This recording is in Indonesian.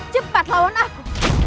cepat lawan aku